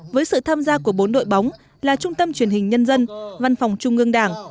với sự tham gia của bốn đội bóng là trung tâm truyền hình nhân dân văn phòng trung ương đảng